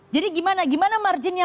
jadi gimana marginnya